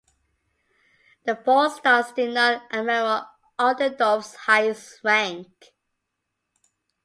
The four stars denote Admiral Oldendorf's highest rank.